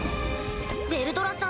ヴェルドラさん